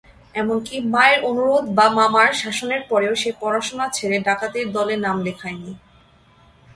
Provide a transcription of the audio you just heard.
এমনকি মায়ের অনুরোধ বা মামার শাসনের পরেও সে পড়াশুনো ছেড়ে ডাকাতির দলে নাম লেখায়নি।